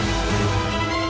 tidak ada yang bisa dihukum